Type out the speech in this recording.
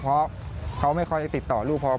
เพราะเขาไม่ค่อยได้ติดต่อลูกพร้อม